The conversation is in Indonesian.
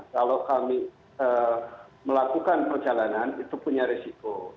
kalau kami melakukan perjalanan itu punya resiko